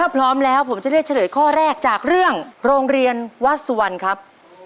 พร้อมแล้วผมจะเลือกเฉลยข้อแรกจากเรื่องโรงเรียนวัดสุวรรณครับ